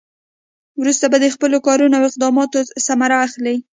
وروسته به د خپلو کارونو او اقداماتو ثمره اخلي.